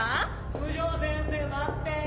「九条先生待って！」。